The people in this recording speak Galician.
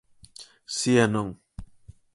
Si e non.